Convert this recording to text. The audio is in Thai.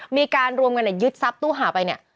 มีการรวมกันยึดทรัพย์ตู้หาไปเนี่ย